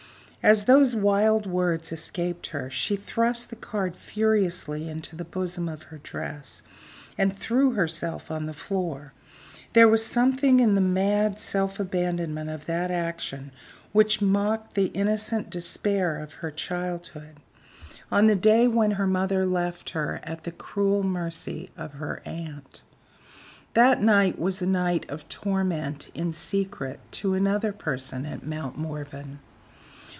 As those wild words escaped her, she thrust the card furiously into the bosom of her dress and threw herself on the floor. There was something in the mad self abandonment of that action which mocked the innocent despair of her childhood, on the day when her mother left her at the cruel mercy of her aunt. That night was a night of torment in secret to another person at Mount Morven.